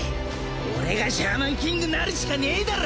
俺がシャーマンキングなるしかねえだろ！